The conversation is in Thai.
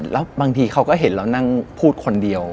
แล้วบางทีเขาก็เห็นเรานั่งพูดคนเดียว